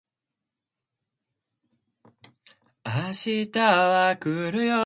Moll also used the Bull persona in commercials for Washington's Lottery.